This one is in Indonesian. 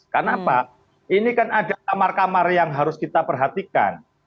karena apa ini kan ada kamar kamar yang harus kita perhatikan